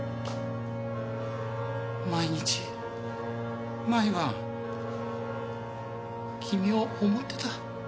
毎日毎晩君を思ってた。